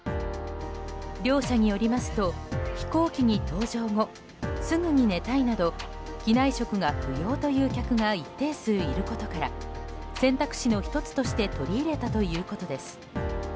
両社によりますと飛行機に搭乗後すぐに寝たいなど機内食が不要という客が一定数いることから選択肢の１つとして取り入れたということです。